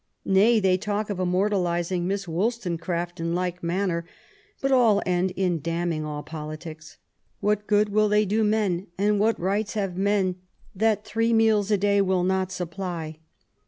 Nay, they talk of immortalizing Miss WoUstone craft in like manner, but all end in damning all politics: What good will they do men? and what rights have men that three meals a day will not sup* ply